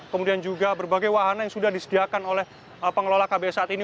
kemudian juga berbagai wahana yang sudah disediakan oleh pengelola kbs saat ini